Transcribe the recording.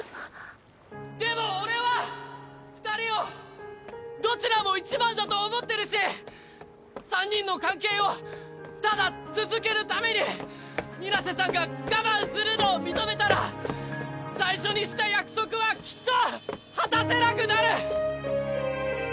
でも俺は二人をどちらも１番だと思ってるし三人の関係をただ続けるために水瀬さんが我慢するのを認めたら最初にした約束はきっと果たせなくなる！